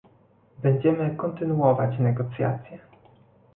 Będziemy kontynuować negocjacje